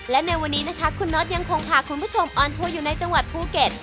และในวันนี้นะคะคุณน็อตยังคงพาคุณผู้ชมออนทัวร์อยู่ในจังหวัดภูเก็ต